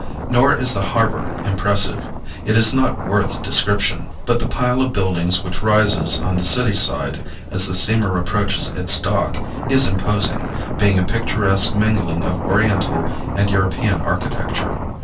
Nor is the harbor impressive. It is not worth description, but the pile of buildings which rises on the city side as the steamer approaches its dock is imposing, being a picturesque mingling of oriental and European architecture.